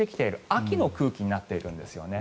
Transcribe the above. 秋の空気になっているんですよね。